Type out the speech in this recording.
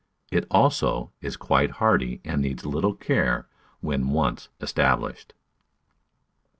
It also is quite hardy and needs little care when once established.